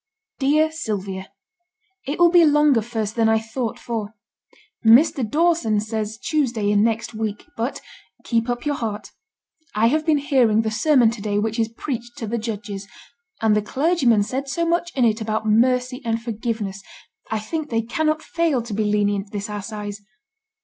'DEAR SYLVIA, 'It will be longer first than I thought for. Mr. Dawson says Tuesday in next week. But keep up your heart. I have been hearing the sermon to day which is preached to the judges; and the clergyman said so much in it about mercy and forgiveness, I think they cannot fail to be lenient this assize.